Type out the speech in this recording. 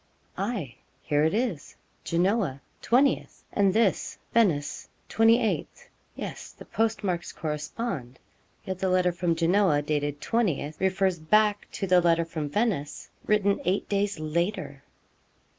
'Aye, here it is, Genoa, 20th, and this, Venice, 28th. Yes, the postmarks correspond; yet the letter from Genoa, dated 20th, refers back to the letter from Venice, written eight days later!